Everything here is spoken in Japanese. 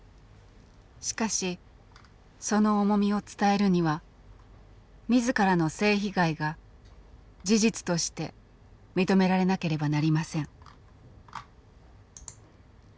しかしその重みを伝えるには自らの性被害が事実として認められなければなりません。